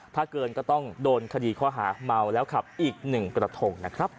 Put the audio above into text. ถ้าเกินก็ต้องโดนคดีข้อหาเมาแล้วขับอีก๑กระทงนะครับ